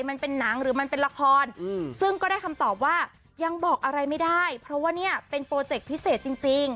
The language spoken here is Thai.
มันเป็นหนังหรือมันเป็นละครซึ่งก็ได้คำตอบว่ายังบอกอะไรไม่ได้เพราะว่าเนี่ยเป็นโปรเจคพิเศษจริง